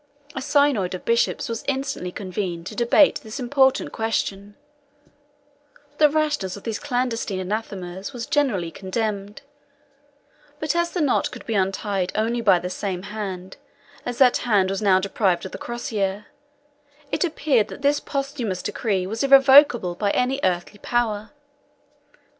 A synod of bishops was instantly convened to debate this important question: the rashness of these clandestine anathemas was generally condemned; but as the knot could be untied only by the same hand, as that hand was now deprived of the crosier, it appeared that this posthumous decree was irrevocable by any earthly power.